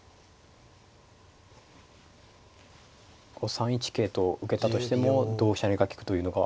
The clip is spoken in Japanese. ３一桂と受けたとしても同飛車成が利くというのが。